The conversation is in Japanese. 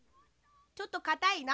ちょっとかたいな？